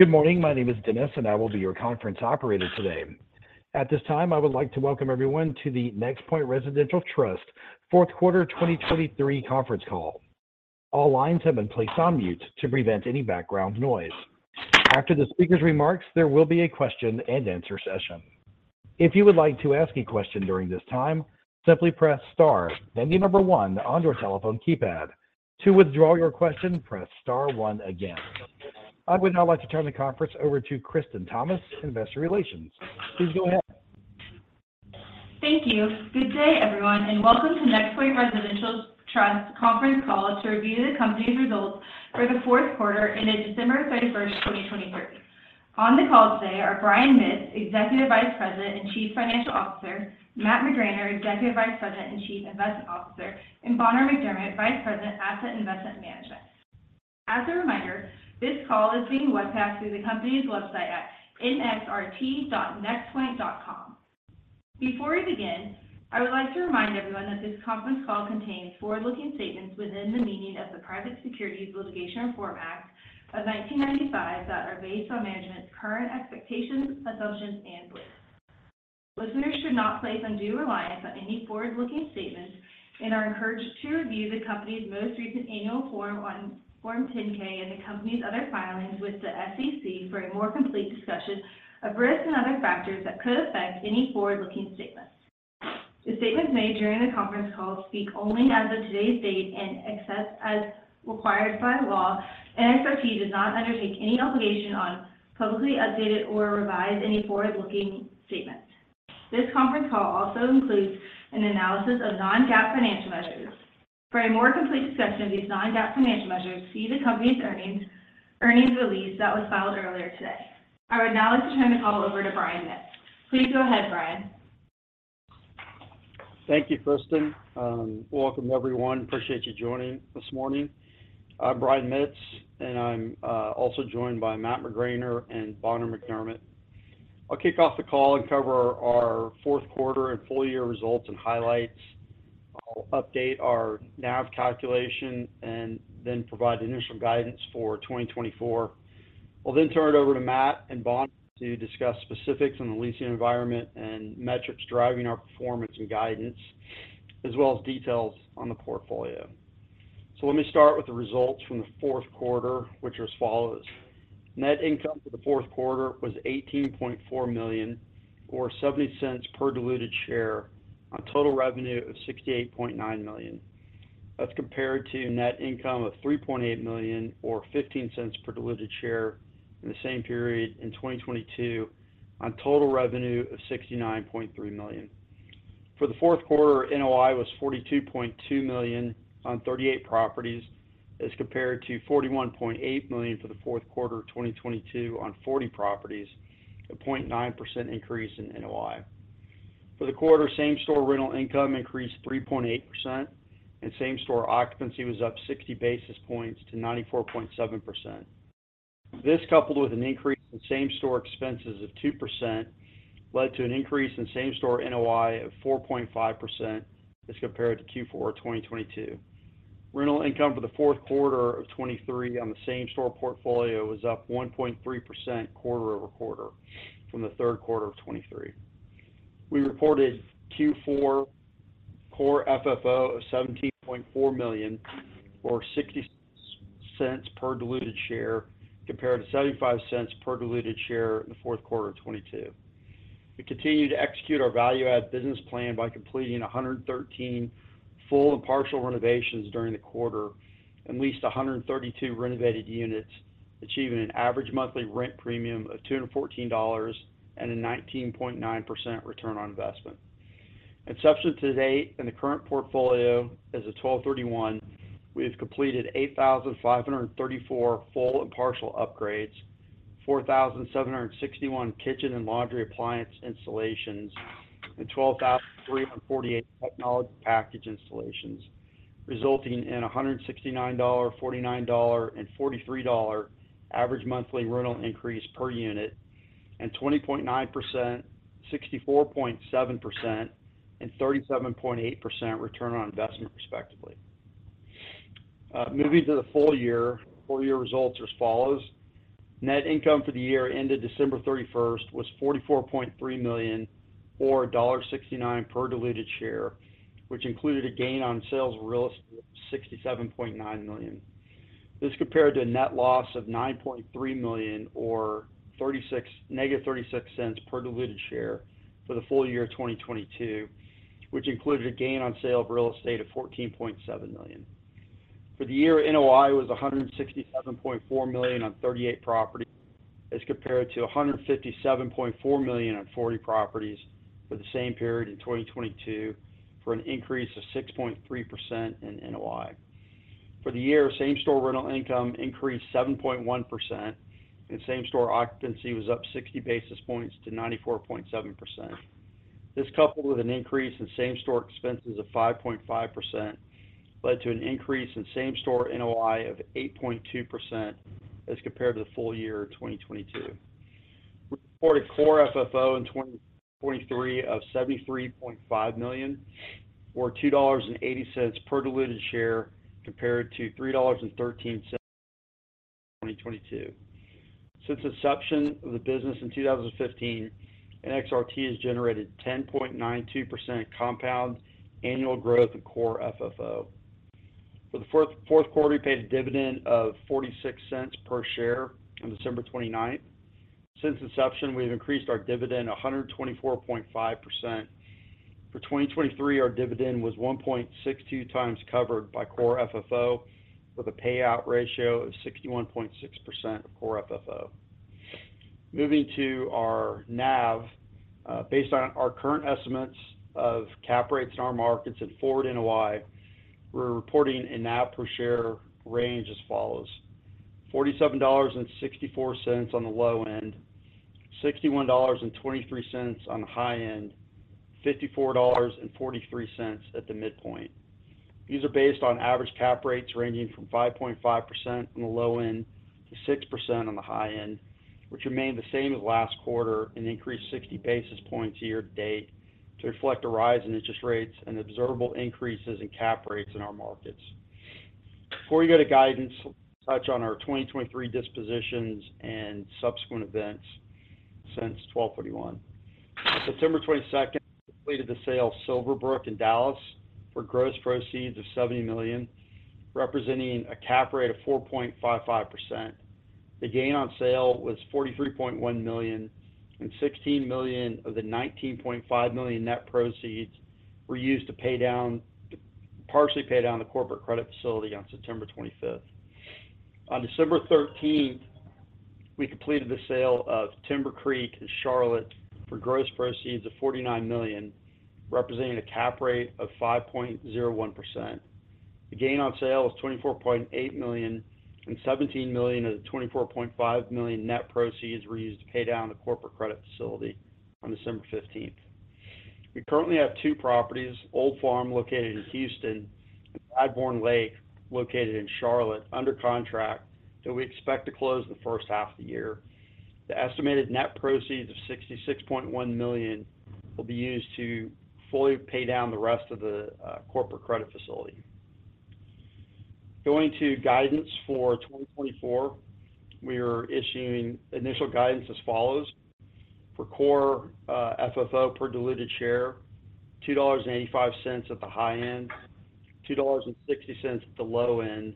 Good morning. My name is Dennis, and I will be your conference operator today. At this time, I would like to welcome everyone to the NexPoint Residential Trust fourth quarter 2023 conference call. All lines have been placed on mute to prevent any background noise. After the speaker's remarks, there will be a question-and-answer session. If you would like to ask a question during this time, simply press star, then the number one on your telephone keypad. To withdraw your question, press star one again. I would now like to turn the conference over to Kristen Thomas, Investor Relations. Please go ahead. Thank you. Good day, everyone, and welcome to NexPoint Residential Trust conference call to review the company's results for the fourth quarter ended December 31st, 2023. On the call today are Brian Mitts, Executive Vice President and Chief Financial Officer, Matt McGraner, Executive Vice President and Chief Investment Officer, and Bonner McDermott, Vice President, Asset Investment Management. As a reminder, this call is being webcast through the company's website at nxrt.nexpoint.com. Before we begin, I would like to remind everyone that this conference call contains forward-looking statements within the meaning of the Private Securities Litigation Reform Act of 1995 that are based on management's current expectations, assumptions, and beliefs. Listeners should not place undue reliance on any forward-looking statements and are encouraged to review the company's most recent annual Form 10-K and the company's other filings with the SEC for a more complete discussion of risks and other factors that could affect any forward-looking statements. The statements made during the conference call speak only as of today's date and, except as required by law, NXRT does not undertake any obligation to publicly update or revise any forward-looking statements. This conference call also includes an analysis of non-GAAP financial measures. For a more complete discussion of these non-GAAP financial measures, see the company's earnings release that was filed earlier today. I would now like to turn the call over to Brian Mitts. Please go ahead, Brian. Thank you, Kristen. Welcome, everyone. Appreciate you joining this morning. I'm Brian Mitts, and I'm also joined by Matt McGraner and Bonner McDermett. I'll kick off the call and cover our fourth quarter and full-year results and highlights. I'll update our NAV calculation and then provide initial guidance for 2024. I'll then turn it over to Matt and Bonner to discuss specifics in the leasing environment and metrics driving our performance and guidance, as well as details on the portfolio. So let me start with the results from the fourth quarter, which are as follows. Net income for the fourth quarter was $18.4 million or $0.70 per diluted share, on total revenue of $68.9 million. That's compared to net income of $3.8 million or $0.15 per diluted share in the same period in 2022, on total revenue of $69.3 million. For the fourth quarter, NOI was $42.2 million on 38 properties, as compared to $41.8 million for the fourth quarter 2022 on 40 properties, a 0.9% increase in NOI. For the quarter, same-store rental income increased 3.8%, and same-store occupancy was up 60 basis points to 94.7%. This, coupled with an increase in same-store expenses of 2%, led to an increase in same-store NOI of 4.5% as compared to Q4 of 2022. Rental income for the fourth quarter of 2023 on the same-store portfolio was up 1.3% quarter over quarter from the third quarter of 2023. We reported Q4 core FFO of $17.4 million or $0.60 per diluted share, compared to $0.75 per diluted share in the fourth quarter of 2022. We continued to execute our value-add business plan by completing 113 full and partial renovations during the quarter, and leased 132 renovated units, achieving an average monthly rent premium of $214 and a 19.9% return on investment. Inception to date in the current portfolio as of 12/31/2023. We have completed 8,534 full and partial upgrades, 4,761 kitchen and laundry appliance installations, and 12,348 technology package installations, resulting in a $169, $49, and $43 average monthly rental increase per unit, and 20.9%, 64.7%, and 37.8% return on investment, respectively. Moving to the full year, 2023 results are as follows. Net income for the year ended December 31st was $44.3 million or $1.69 per diluted share, which included a gain on sales of real estate of $67.9 million. This compared to a net loss of $9.3 million or negative $0.36 per diluted share for the full year of 2022, which included a gain on sale of real estate of $14.7 million. For the year, NOI was $167.4 million on 38 properties, as compared to $157.4 million on 40 properties for the same period in 2022, for an increase of 6.3% in NOI. For the year, same-store rental income increased 7.1%, and same-store occupancy was up 60 basis points to 94.7%. This, coupled with an increase in same-store expenses of 5.5%, led to an increase in same-store NOI of 8.2% as compared to the full year of 2022. We reported core FFO in 2023 of $73.5 million or $2.80 per diluted share, compared to $3.13 in 2022. Since inception of the business in 2015, NXRT has generated 10.92% compound annual growth in core FFO. For the fourth quarter, we paid a dividend of $0.46 per share on December 29th. Since inception, we have increased our dividend 124.5%. For 2023, our dividend was 1.62 times covered by core FFO, with a payout ratio of 61.6% of core FFO. Moving to our NAV, based on our current estimates of cap rates in our markets and forward NOI, we're reporting a NAV per share range as follows: $47.64 on the low end, $61.23 on the high end, and $54.43 at the midpoint. These are based on average cap rates ranging from 5.5%-6% on the low end to the high end, which remain the same as last quarter and increased 60 basis points year-to-date to reflect a rise in interest rates and observable increases in cap rates in our markets. Before we go to guidance, touch on our 2023 dispositions and subsequent events since 12/31. On September 22nd, we completed the sale of Silverbrook in Dallas for gross proceeds of $70 million, representing a cap rate of 4.55%. The gain on sale was $43.1 million, and $16 million of the $19.5 million net proceeds were used to partially pay down the corporate credit facility on September 25th. On December 13th, we completed the sale of Timber Creek in Charlotte for gross proceeds of $49 million, representing a cap rate of 5.01%. The gain on sale was $24.8 million, and $17 million of the $24.5 million net proceeds were used to pay down the corporate credit facility on December 15th. We currently have two properties, Old Farm located in Houston and Radbourne Lake located in Charlotte, under contract that we expect to close in the first half of the year. The estimated net proceeds of $66.1 million will be used to fully pay down the rest of the corporate credit facility. Going to guidance for 2024, we are issuing initial guidance as follows: for Core FFO per diluted share, $2.85 at the high end, $2.60 at the low end,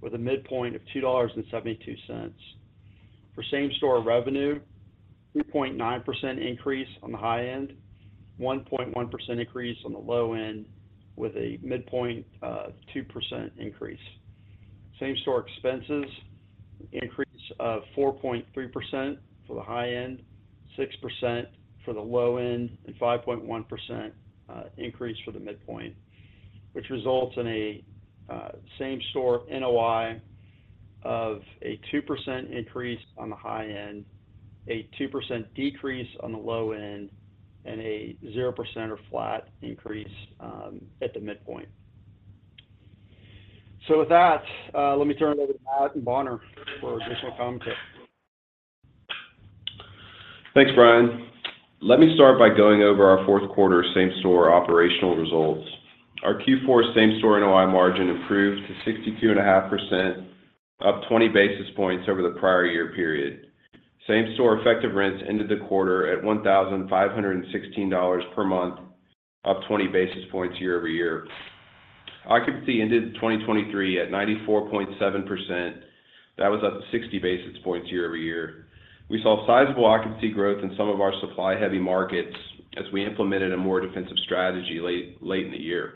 with a midpoint of $2.72. For Same-Store revenue, 2.9% increase on the high end, 1.1% increase on the low end, with a midpoint of 2% increase. Same-Store expenses, increase of 4.3% for the high end, 6% for the low end, and 5.1% increase for the midpoint, which results in a Same-Store NOI of a 2% increase on the high end, a 2% decrease on the low end, and a 0% or flat increase at the midpoint. So with that, let me turn it over to Matt and Bonner for additional commentary. Thanks, Brian. Let me start by going over our fourth quarter same-store operational results. Our Q4 same-store NOI margin improved to 62.5%, up 20 basis points over the prior year period. Same-store effective rents ended the quarter at $1,516 per month, up 20 basis points year over year. Occupancy ended 2023 at 94.7%. That was up to 60 basis points year over year. We saw sizable occupancy growth in some of our supply-heavy markets as we implemented a more defensive strategy late in the year.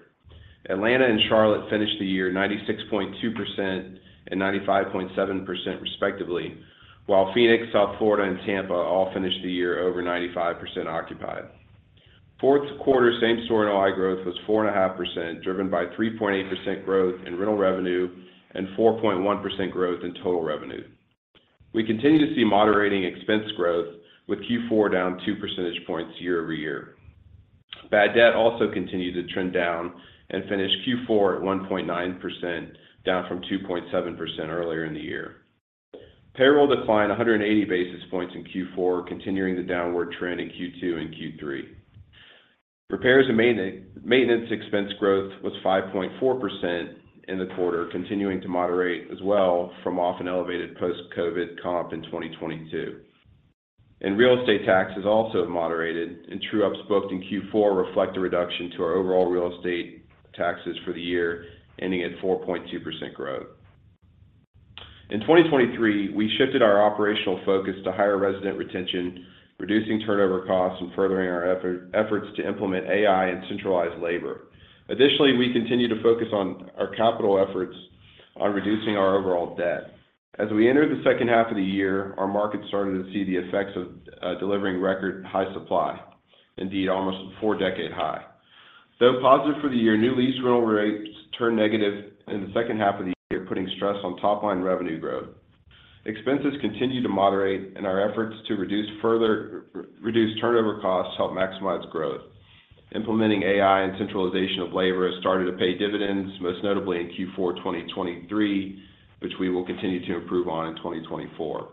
Atlanta and Charlotte finished the year 96.2% and 95.7%, respectively, while Phoenix, South Florida, and Tampa all finished the year over 95% occupied. Fourth quarter same-store NOI growth was 4.5%, driven by 3.8% growth in rental revenue and 4.1% growth in total revenue. We continue to see moderating expense growth, with Q4 down 2 percentage points year over year. Bad debt also continued to trend down and finished Q4 at 1.9%, down from 2.7% earlier in the year. Payroll declined 180 basis points in Q4, continuing the downward trend in Q2 and Q3. Repairs and maintenance expense growth was 5.4% in the quarter, continuing to moderate as well from often elevated post-COVID comp in 2022. Real estate taxes also have moderated, and true-ups booked in Q4 reflect a reduction to our overall real estate taxes for the year, ending at 4.2% growth. In 2023, we shifted our operational focus to higher resident retention, reducing turnover costs, and furthering our efforts to implement AI and centralized labor. Additionally, we continue to focus on our capital efforts on reducing our overall debt. As we entered the second half of the year, our markets started to see the effects of delivering record high supply, indeed almost a four-decade high. Though positive for the year, new lease rental rates turned negative in the second half of the year, putting stress on top-line revenue growth. Expenses continue to moderate, and our efforts to reduce turnover costs help maximize growth. Implementing AI and centralization of labor has started to pay dividends, most notably in Q4 2023, which we will continue to improve on in 2024.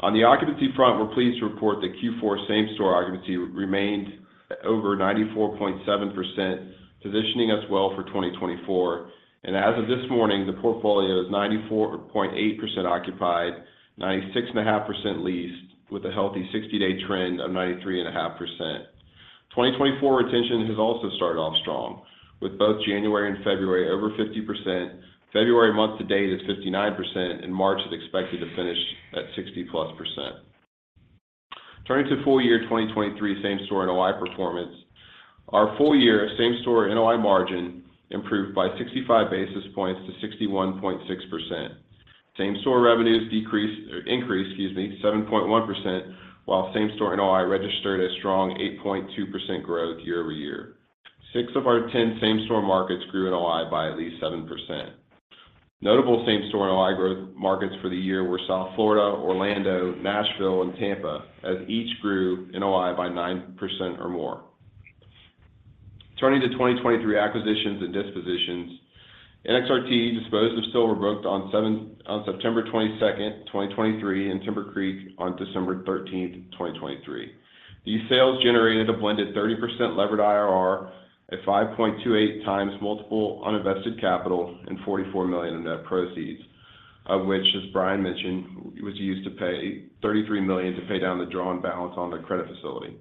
On the occupancy front, we're pleased to report that Q4 same-store occupancy remained over 94.7%, positioning us well for 2024. As of this morning, the portfolio is 94.8% occupied, 96.5% leased, with a healthy 60-day trend of 93.5%. 2024 retention has also started off strong, with both January and February over 50%, February month to date at 59%, and March is expected to finish at 60+%. Turning to full-year 2023 same-store NOI performance, our full-year same-store NOI margin improved by 65 basis points to 61.6%. Same-store revenues increased 7.1%, while same-store NOI registered a strong 8.2% growth year over year. Six of our 10 same-store markets grew NOI by at least 7%. Notable same-store NOI growth markets for the year were South Florida, Orlando, Nashville, and Tampa, as each grew NOI by 9% or more. Turning to 2023 acquisitions and dispositions, NXRT disposed of Silverbrook on September 22nd, 2023, and Timber Creek on December 13th, 2023. These sales generated a blended 30% levered IRR, a 5.28x multiple on invested capital, and $44 million of net proceeds, of which, as Brian mentioned, was used to pay $33 million to pay down the drawn balance on the credit facility.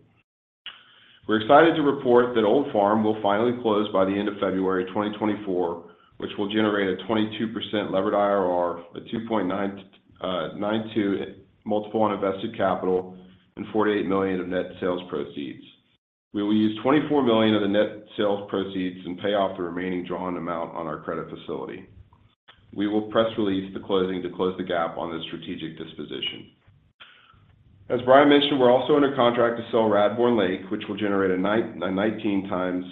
We're excited to report that Old Farm will finally close by the end of February 2024, which will generate a 22% levered IRR, a 2.92x multiple on invested capital, and $48 million of net sales proceeds. We will use $24 million of the net sales proceeds and pay off the remaining drawn amount on our credit facility. We will press release the closing to close the gap on this strategic disposition. As Brian mentioned, we're also under contract to sell Radbourne Lake, which will generate a 19x,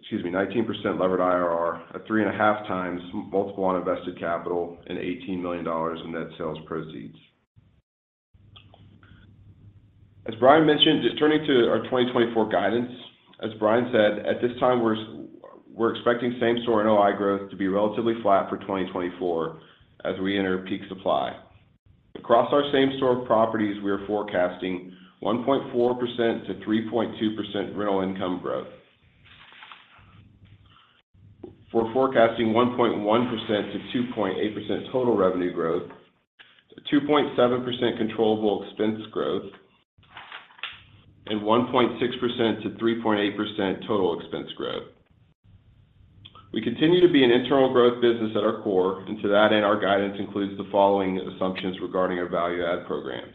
excuse me, 19% levered IRR, a 3.5x multiple uninvested capital, and $18 million of net sales proceeds. As Brian mentioned, turning to our 2024 guidance, as Brian said, at this time, we're expecting same-store NOI growth to be relatively flat for 2024 as we enter peak supply. Across our same-store properties, we are forecasting 1.4%-3.2% rental income growth. We're forecasting 1.1%-2.8% total revenue growth, 2.7% controllable expense growth, and 1.6%-3.8% total expense growth. We continue to be an internal growth business at our core, and to that end, our guidance includes the following assumptions regarding our value-add programs.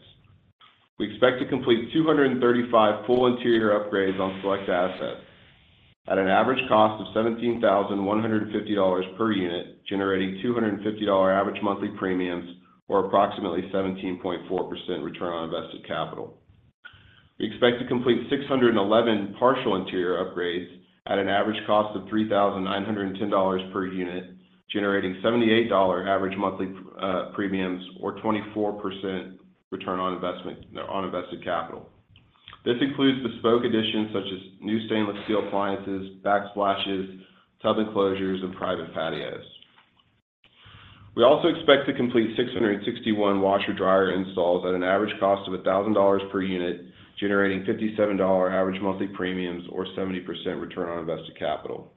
We expect to complete 235 full interior upgrades on select assets at an average cost of $17,150 per unit, generating $250 average monthly premiums or approximately 17.4% return on invested capital. We expect to complete 611 partial interior upgrades at an average cost of $3,910 per unit, generating $78 average monthly premiums or 24% return on invested capital. This includes bespoke additions such as new stainless steel appliances, backsplashes, tub enclosures, and private patios. We also expect to complete 661 washer/dryer installs at an average cost of $1,000 per unit, generating $57 average monthly premiums or 70% return on invested capital.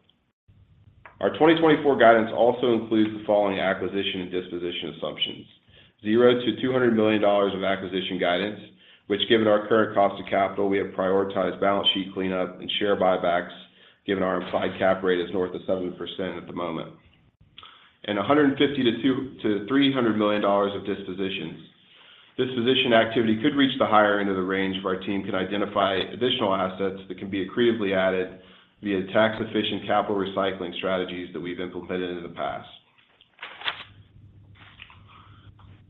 Our 2024 guidance also includes the following acquisition and disposition assumptions: $0-$200 million of acquisition guidance, which, given our current cost of capital, we have prioritized balance sheet cleanup and share buybacks, given our implied Cap Rate is north of 7% at the moment. And $150-$300 million of dispositions. Disposition activity could reach the higher end of the range if our team can identify additional assets that can be accretively added via tax-efficient capital recycling strategies that we've implemented in the past.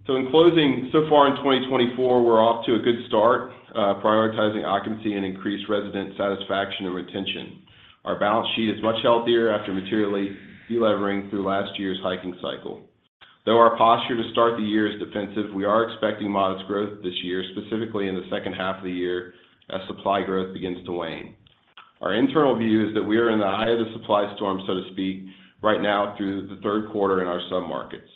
So in closing, so far in 2024, we're off to a good start prioritizing occupancy and increased resident satisfaction and retention. Our balance sheet is much healthier after materially delevering through last year's hiking cycle. Though our posture to start the year is defensive, we are expecting modest growth this year, specifically in the second half of the year as supply growth begins to wane. Our internal view is that we are in the eye of the supply storm, so to speak, right now through the third quarter in our submarkets.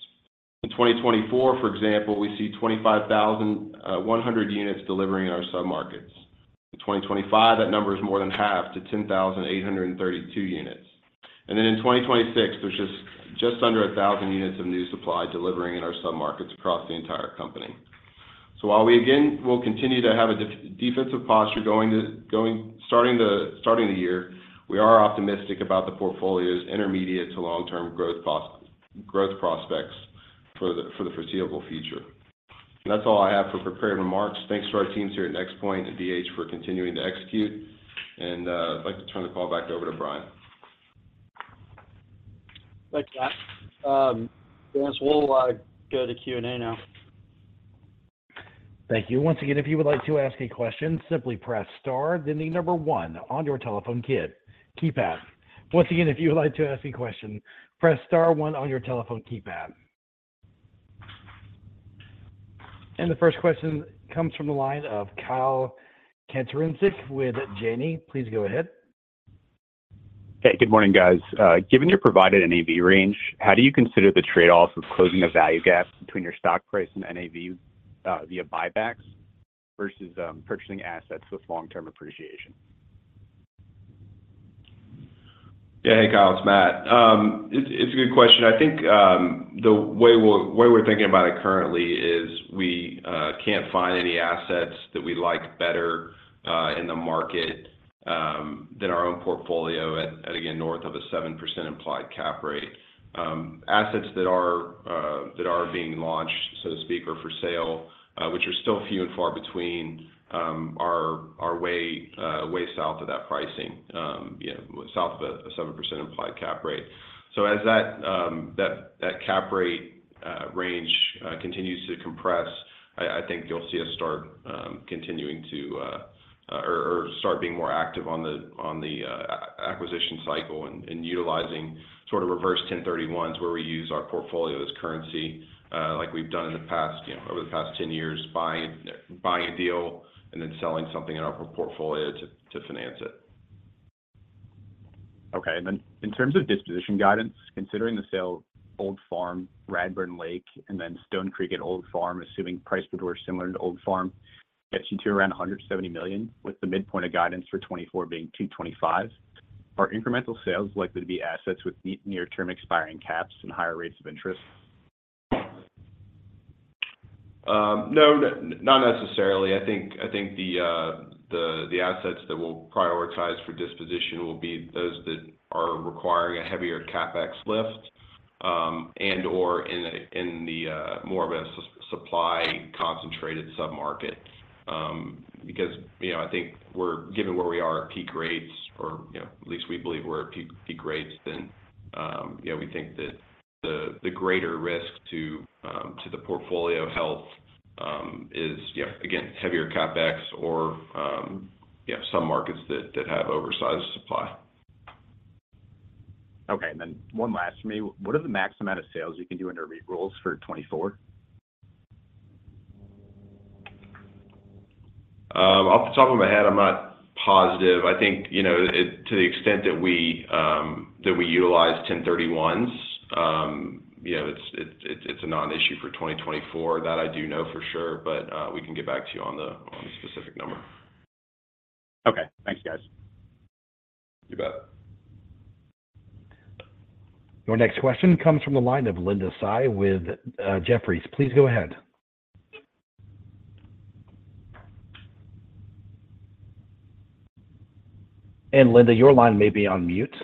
In 2024, for example, we see 25,100 units delivering in our submarkets. In 2025, that number is more than half to 10,832 units. And then in 2026, there's just under 1,000 units of new supply delivering in our submarkets across the entire company. So while we again will continue to have a defensive posture starting the year, we are optimistic about the portfolio's intermediate to long-term growth prospects for the foreseeable future. And that's all I have for prepared remarks. Thanks to our teams here at NexPoint and BH for continuing to execute. I'd like to turn the call back over to Brian. Thanks, Matt. Dennis, we'll go to Q&A now. Thank you. Once again, if you would like to ask a question, simply press star, then the number one on your telephone keypad. Once again, if you would like to ask a question, press star one on your telephone keypad. The first question comes from the line of Kyle Katorincek with Janney. Please go ahead. Hey, good morning, guys. Given you've provided an NAV range, how do you consider the trade-off of closing a value gap between your stock price and NAV via buybacks versus purchasing assets with long-term appreciation? Yeah, hey, Kyle. It's Matt. It's a good question. I think the way we're thinking about it currently is we can't find any assets that we like better in the market than our own portfolio at, again, north of a 7% implied cap rate. Assets that are being launched, so to speak, or for sale, which are still few and far between, are way south of that pricing, south of a 7% implied cap rate. So as that cap rate range continues to compress, I think you'll see us start continuing to or start being more active on the acquisition cycle and utilizing sort of reverse 1031s where we use our portfolio as currency, like we've done in the past over the past 10 years, buying a deal and then selling something in our portfolio to finance it. Okay. Then in terms of disposition guidance, considering the sale of Old Farm, Radbourne Lake, and then Stone Creek at Old Farm, assuming price proposal is similar to Old Farm, gets you to around $170 million, with the midpoint of guidance for 2024 being $225 million. Are incremental sales likely to be assets with near-term expiring caps and higher rates of interest? No, not necessarily. I think the assets that we'll prioritize for disposition will be those that are requiring a heavier CapEx lift and/or in more of a supply-concentrated submarket because I think we're given where we are at peak rates, or at least we believe we're at peak rates, then we think that the greater risk to the portfolio health is, again, heavier CapEx or some markets that have oversized supply. Okay. And then one last for me. What are the maximum amount of sales you can do under REITs for 2024? Off the top of my head, I'm not positive. I think to the extent that we utilize 1031s, it's a non-issue for 2024. That I do know for sure, but we can get back to you on the specific number. Okay. Thanks, guys. You bet. Your next question comes from the line of Linda Tsai with Jefferies. Please go ahead. Linda, your line may be on mute.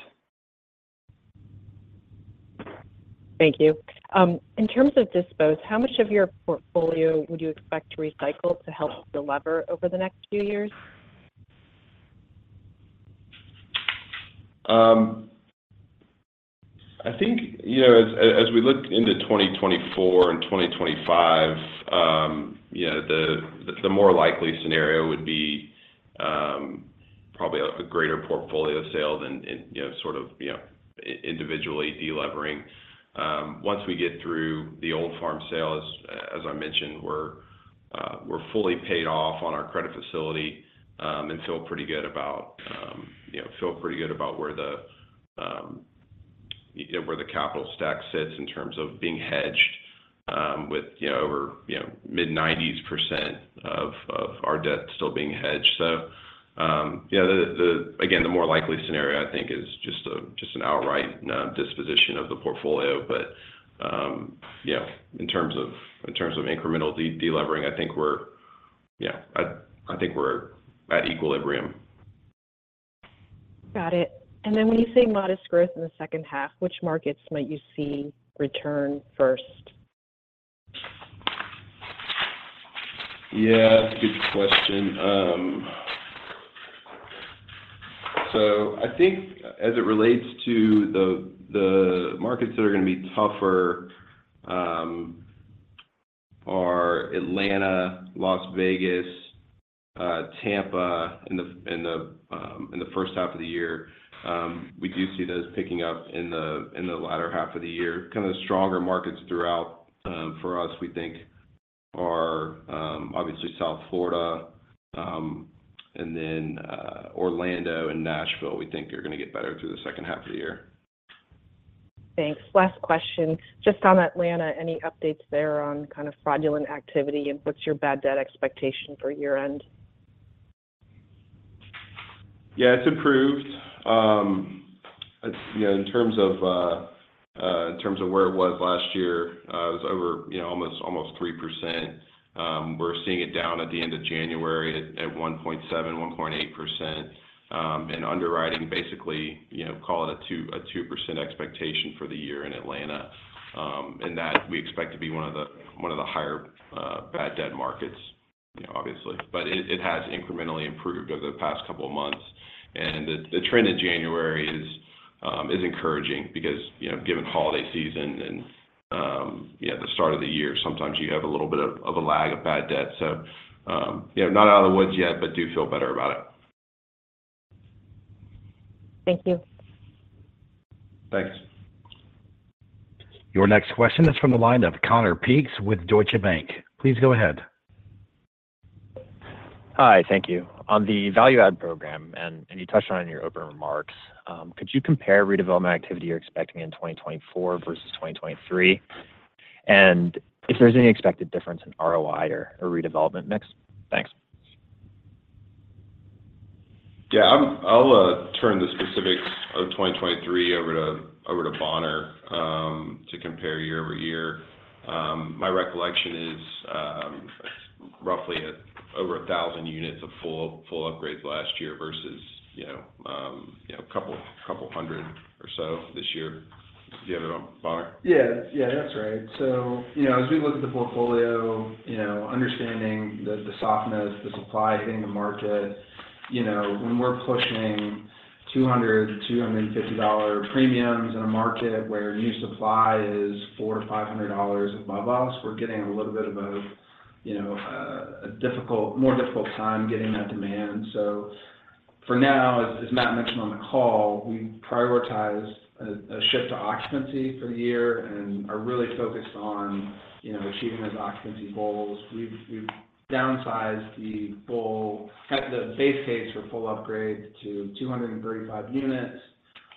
Thank you. In terms of dispose, how much of your portfolio would you expect to recycle to help deliver over the next few years? I think as we look into 2024 and 2025, the more likely scenario would be probably a greater portfolio sale than sort of individually delevering. Once we get through the Old Farm sales, as I mentioned, we're fully paid off on our credit facility and feel pretty good about where the capital stack sits in terms of being hedged with over mid-90s% of our debt still being hedged. So again, the more likely scenario, I think, is just an outright disposition of the portfolio. But in terms of incremental delevering, I think we're at equilibrium. Got it. And then when you say modest growth in the second half, which markets might you see return first? Yeah, that's a good question. So I think as it relates to the markets that are going to be tougher are Atlanta, Las Vegas, Tampa in the first half of the year. We do see those picking up in the latter half of the year. Kind of the stronger markets throughout for us, we think, are obviously South Florida and then Orlando and Nashville, we think, are going to get better through the second half of the year. Thanks. Last question. Just on Atlanta, any updates there on kind of fraudulent activity and what's your bad debt expectation for year-end? Yeah, it's improved. In terms of where it was last year, it was over almost 3%. We're seeing it down at the end of January at 1.7%-1.8%, and underwriting, basically, call it a 2% expectation for the year in Atlanta. And that we expect to be one of the higher bad debt markets, obviously. But it has incrementally improved over the past couple of months. And the trend in January is encouraging because given holiday season and the start of the year, sometimes you have a little bit of a lag of bad debt. So not out of the woods yet, but do feel better about it. Thank you. Thanks. Your next question is from the line of Connor Siversky with Wells Fargo Securities. Please go ahead. Hi. Thank you. On the value-add program, and you touched on it in your open remarks, could you compare redevelopment activity you're expecting in 2024 versus 2023 and if there's any expected difference in ROI or redevelopment mix? Thanks. Yeah. I'll turn the specifics of 2023 over to Bonner to compare year-over-year. My recollection is roughly over 1,000 units of full upgrades last year versus a couple hundred or so this year. Do you have it on Bonner? Yeah. Yeah, that's right. So as we look at the portfolio, understanding the softness, the supply hitting the market, when we're pushing $200-$250 premiums in a market where new supply is $400-$500 above us, we're getting a little bit of a more difficult time getting that demand. So for now, as Matt mentioned on the call, we prioritize a shift to occupancy for the year and are really focused on achieving those occupancy goals. We've downsized the base case for full upgrades to 235 units.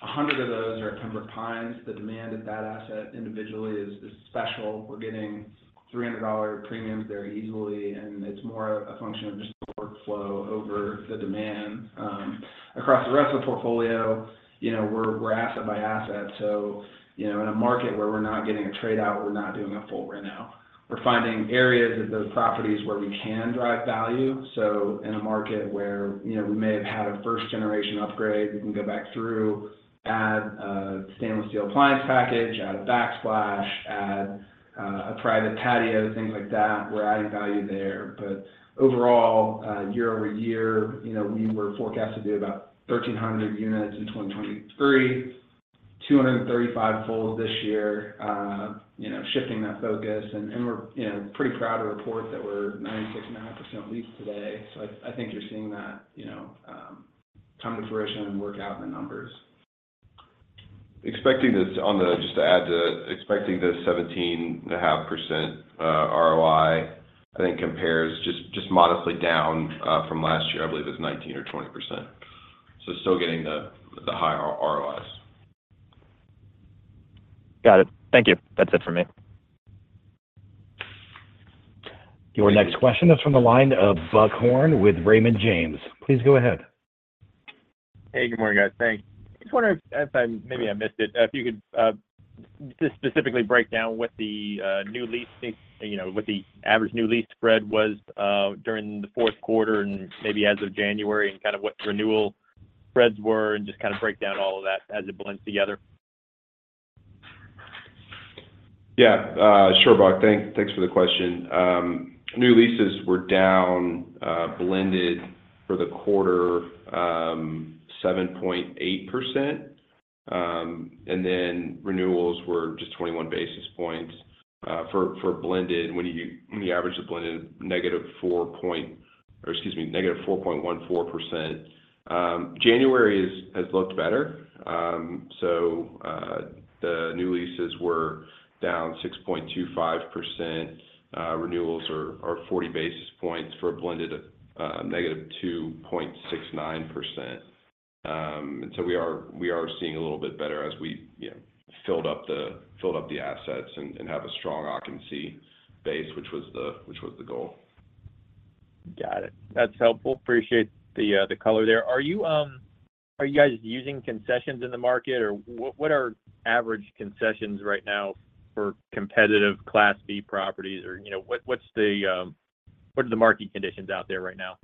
100 of those are at Pembroke Pines. The demand at that asset individually is special. We're getting $300 premiums there easily, and it's more a function of just the workflow over the demand. Across the rest of the portfolio, we're asset by asset. So in a market where we're not getting a tradeout, we're not doing a full reno. We're finding areas of those properties where we can drive value. So in a market where we may have had a first-generation upgrade, we can go back through, add a stainless steel appliance package, add a backsplash, add a private patio, things like that. We're adding value there. But overall, year-over-year, we were forecast to do about 1,300 units in 2023, 235 fulls this year, shifting that focus. And we're pretty proud to report that we're 96% and 90% leads today. So I think you're seeing that come to fruition and work out in the numbers. Expecting the 17.5% ROI, I think compares just modestly down from last year. I believe it's 19% or 20%. So still getting the high ROIs. Got it. Thank you. That's it for me. Your next question is from the line of Buck Horne with Raymond James. Please go ahead. Hey, good morning, guys. Thanks. I just wondered if maybe I missed it, if you could just specifically break down what the new lease with the average new lease spread was during the fourth quarter and maybe as of January and kind of what renewal spreads were and just kind of break down all of that as it blends together. Yeah, sure, Buck. Thanks for the question. New leases were down blended for the quarter 7.8%, and then renewals were just 21 basis points for blended, when you average the blended, -4.14%. January has looked better. So the new leases were down 6.25%. Renewals are 40 basis points for a blended of -2.69%. And so we are seeing a little bit better as we filled up the assets and have a strong occupancy base, which was the goal. Got it. That's helpful. Appreciate the color there. Are you guys using concessions in the market, or what are average concessions right now for competitive Class B properties, or what are the market conditions out there right now?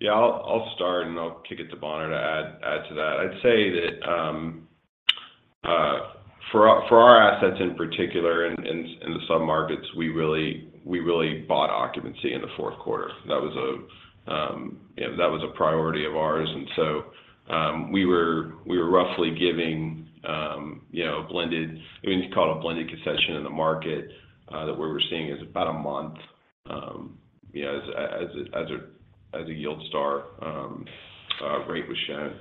Yeah, I'll start, and I'll kick it to Bonner to add to that. I'd say that for our assets in particular and the submarkets, we really bought occupancy in the fourth quarter. That was a priority of ours. And so we were roughly giving a blended—I mean, you could call it a blended concession in the market that we were seeing is about a month as a YieldStar rate was shown.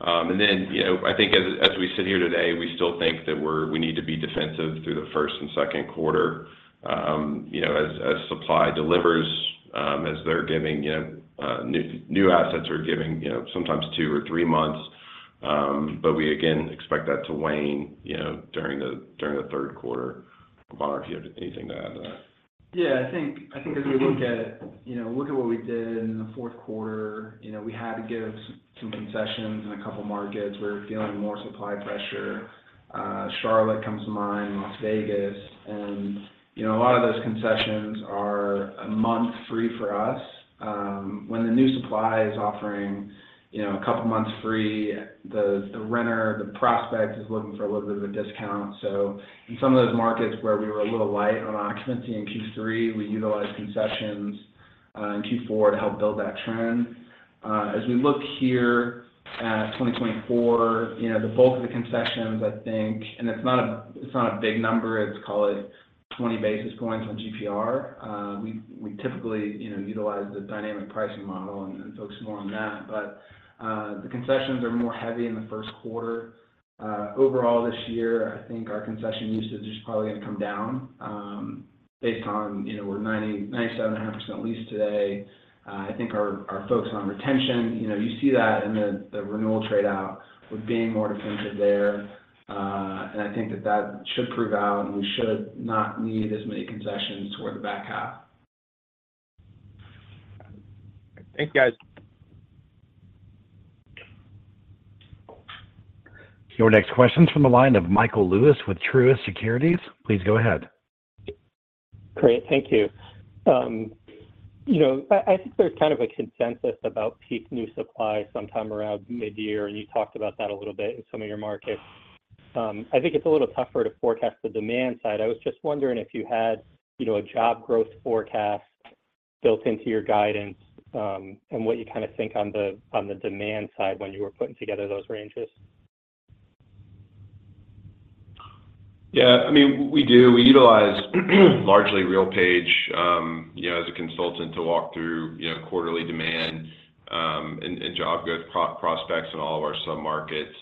And then I think as we sit here today, we still think that we need to be defensive through the first and second quarter. As supply delivers, as they're giving new assets are giving sometimes two or three months. But we, again, expect that to wane during the third quarter. Bonner, if you have anything to add to that. Yeah. I think as we look at what we did in the fourth quarter, we had to give some concessions in a couple of markets. We were feeling more supply pressure. Charlotte comes to mind, Las Vegas. And a lot of those concessions are a month free for us. When the new supply is offering a couple of months free, the renter, the prospect is looking for a little bit of a discount. So in some of those markets where we were a little light on occupancy in Q3, we utilized concessions in Q4 to help build that trend. As we look here at 2024, the bulk of the concessions, I think and it's not a big number. Let's call it 20 basis points on GPR. We typically utilize the dynamic pricing model and focus more on that. But the concessions are more heavy in the first quarter. Overall this year, I think our concession usage is probably going to come down based on we're 97.5% leased today. I think our focus on retention, you see that in the renewal tradeout with being more defensive there. And I think that that should prove out, and we should not need as many concessions toward the back half. Thanks, guys. Your next question is from the line of Michael Lewis with Truist Securities. Please go ahead. Great. Thank you. I think there's kind of a consensus about peak new supply sometime around mid-year, and you talked about that a little bit in some of your markets. I think it's a little tougher to forecast the demand side. I was just wondering if you had a job growth forecast built into your guidance and what you kind of think on the demand side when you were putting together those ranges. Yeah. I mean, we do. We utilize largely RealPage as a consultant to walk through quarterly demand and job growth prospects in all of our submarkets.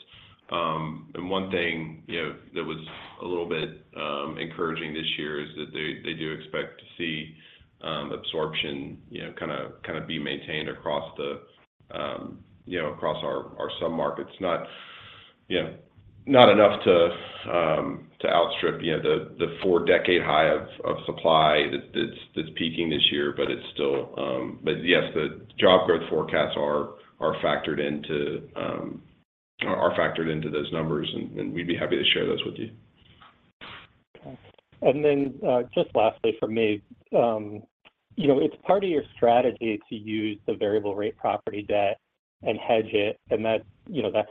And one thing that was a little bit encouraging this year is that they do expect to see absorption kind of be maintained across our submarkets. Not enough to outstrip the four-decade high of supply that's peaking this year, but it's still, but yes, the job growth forecasts are factored into those numbers, and we'd be happy to share those with you. Okay. And then just lastly from me, it's part of your strategy to use the variable-rate property debt and hedge it, and that's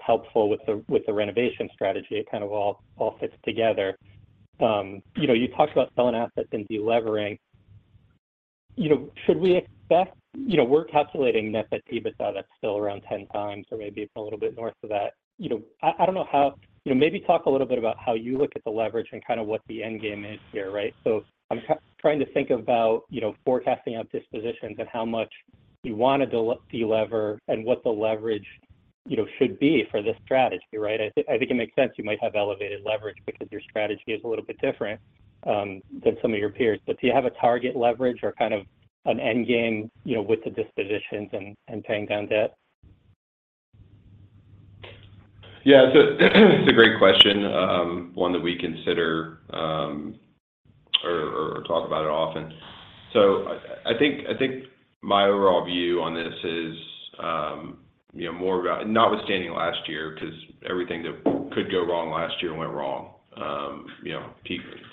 helpful with the renovation strategy. It kind of all fits together. You talked about selling assets and delevering. Should we expect we're calculating Net Debt to EBITDA that's still around 10x or maybe a little bit north of that. I don't know how maybe talk a little bit about how you look at the leverage and kind of what the end game is here, right? So I'm trying to think about forecasting out dispositions and how much you want to delever and what the leverage should be for this strategy, right? I think it makes sense. You might have elevated leverage because your strategy is a little bit different than some of your peers. But do you have a target leverage or kind of an end game with the dispositions and paying down debt? Yeah. So it's a great question, one that we consider or talk about it often. So I think my overall view on this is more about notwithstanding last year because everything that could go wrong last year went wrong.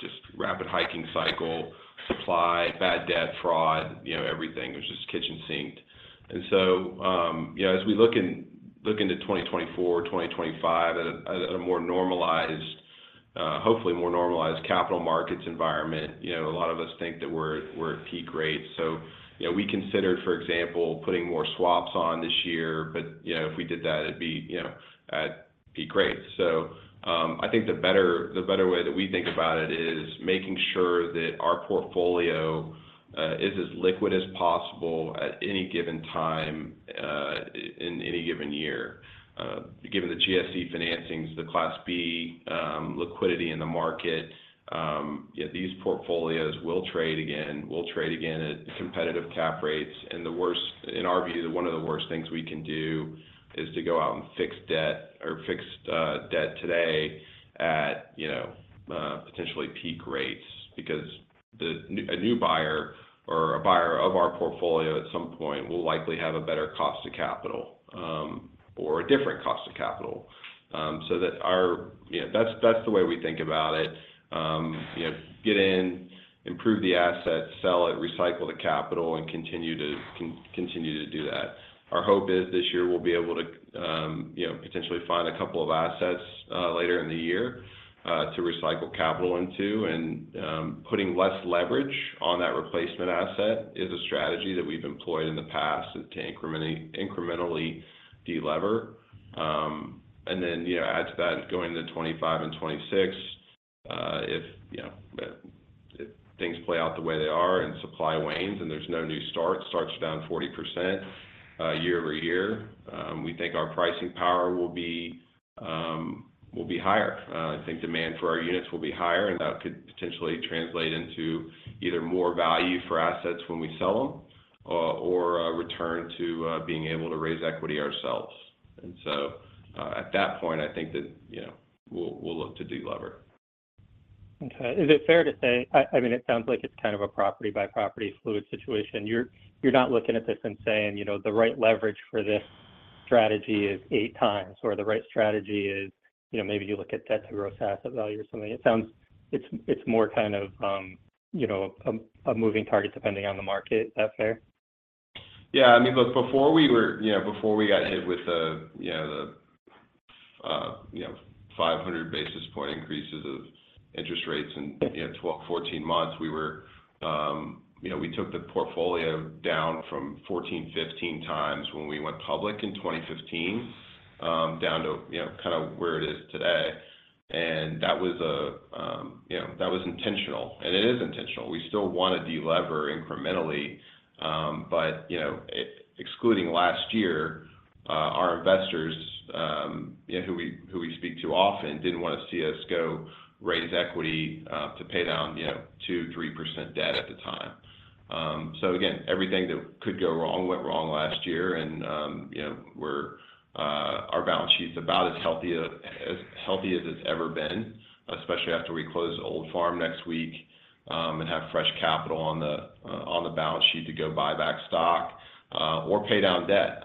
Just rapid hiking cycle, supply, bad debt, fraud, everything was just kitchen sinked. And so as we look into 2024, 2025, at a more normalized, hopefully more normalized capital markets environment, a lot of us think that we're at peak rates. So we considered, for example, putting more swaps on this year, but if we did that, it'd be at peak rates. So I think the better way that we think about it is making sure that our portfolio is as liquid as possible at any given time in any given year. Given the GSE financings, the Class B liquidity in the market, these portfolios will trade again, will trade again at competitive cap rates. In our view, one of the worst things we can do is to go out and fix debt or fix debt today at potentially peak rates because a new buyer or a buyer of our portfolio at some point will likely have a better cost of capital or a different cost of capital. That's the way we think about it. Get in, improve the asset, sell it, recycle the capital, and continue to do that. Our hope is this year we'll be able to potentially find a couple of assets later in the year to recycle capital into. Putting less leverage on that replacement asset is a strategy that we've employed in the past to incrementally delever. And then add to that going into 2025 and 2026, if things play out the way they are and supply wanes and there's no new starts, starts are down 40% year-over-year, we think our pricing power will be higher. I think demand for our units will be higher, and that could potentially translate into either more value for assets when we sell them or a return to being able to raise equity ourselves. And so at that point, I think that we'll look to delever. Okay. Is it fair to say I mean, it sounds like it's kind of a property-by-property fluid situation. You're not looking at this and saying, "The right leverage for this strategy is 8x," or, "The right strategy is maybe you look at debt to gross asset value or something." It sounds like it's more kind of a moving target depending on the market. Is that fair? Yeah. I mean, look, before we got hit with the 500-basis-point increases of interest rates in 12 to 14 months, we took the portfolio down from 14x-15x when we went public in 2015 down to kind of where it is today. That was intentional, and it is intentional. We still want to delever incrementally. But excluding last year, our investors, who we speak to often, didn't want to see us go raise equity to pay down 2%-3% debt at the time. So again, everything that could go wrong went wrong last year, and our balance sheet's about as healthy as it's ever been, especially after we close Old Farm next week and have fresh capital on the balance sheet to go buy back stock or pay down debt.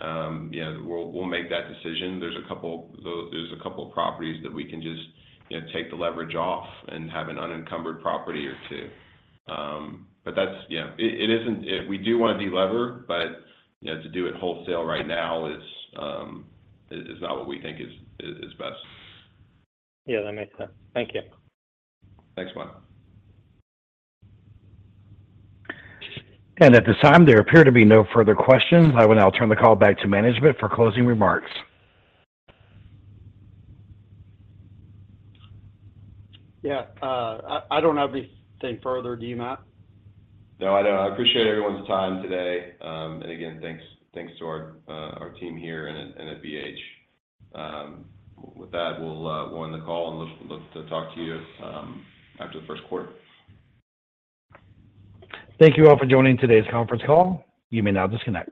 We'll make that decision. There's a couple of properties that we can just take the leverage off and have an unencumbered property or two. But it isn't. We do want to delever, but to do it wholesale right now is not what we think is best. Yeah, that makes sense. Thank you. Thanks, Michael. At this time, there appear to be no further questions. I will now turn the call back to management for closing remarks. Yeah. I don't have anything further. Do you, Matt? No, I don't. I appreciate everyone's time today. Again, thanks to our team here and at BH. With that, we'll end the call and look to talk to you after the first quarter. Thank you all for joining today's conference call. You may now disconnect.